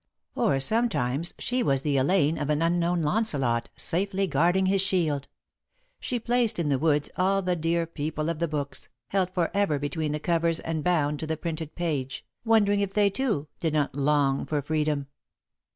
Or, sometimes, she was the Elaine of an unknown Launcelot, safely guarding his shield. She placed in the woods all the dear people of the books, held forever between the covers and bound to the printed page, wondering if they, too, did not long for freedom.